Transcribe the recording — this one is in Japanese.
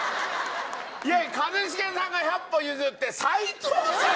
いや一茂さんは百歩譲って齋藤さん！